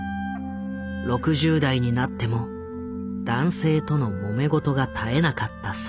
６０代になっても男性とのもめ事が絶えなかった定。